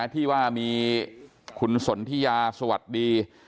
ที่ว่ามีคุณสนทิยาสวัสดี